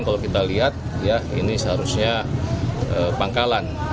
kalau kita lihat ya ini seharusnya pangkalan